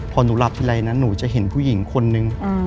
พอหนูหลับทีไรนะหนูจะเห็นผู้หญิงคนนึง